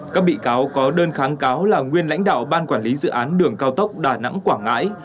các bị cáo có đơn kháng cáo là nguyên lãnh đạo ban quản lý dự án đường cao tốc đà nẵng quảng ngãi